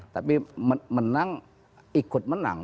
tapi menang ikut menang